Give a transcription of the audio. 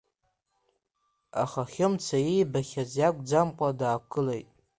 Аха Хьымца иибахьаз иакәӡамкәа даақәгылеит.